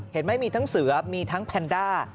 เห็นไหมมีทั้งเสือมีทั้งแพนด้า